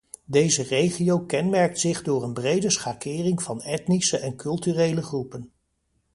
Deze regio kenmerkt zich door een brede schakering van etnische en culturele groepen.